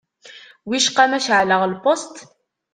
Wicqa ma ceεleɣ lpusṭ?